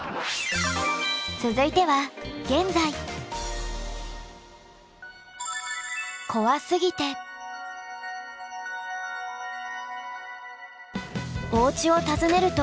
続いてはおうちを訪ねると。